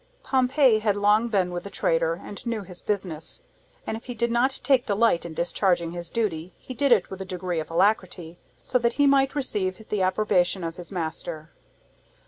Pompey had long been with the trader, and knew his business; and if he did not take delight in discharging his duty, he did it with a degree of alacrity, so that he might receive the approbation of his master.